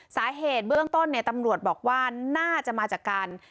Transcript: สาเหตุเบื้องต้นเนี่ยตำรวจบอกว่าน่าจะมาจากการ